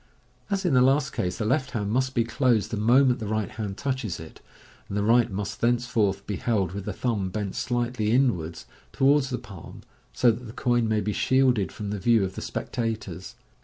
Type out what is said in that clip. As in the last case, the left hand must be closed the moment the right hand touches it ; and the right must thence forth be held with the thumb bent slightly inwards towards the palm, so that the coin may be shielded from the view of the spectators.